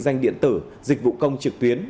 danh điện tử dịch vụ công trực tuyến